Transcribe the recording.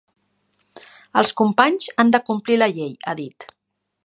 Els companys han de complir la llei, ha dit.